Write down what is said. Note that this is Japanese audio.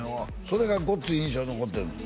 それがごっつ印象に残ってるもん